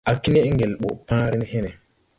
Á knɛʼ ŋgel ɓɔ pããre ne hene.